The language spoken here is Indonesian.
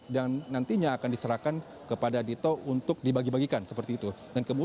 dan nantinya akan diserahkan kepada dito untuk dibagi bagikan seperti itu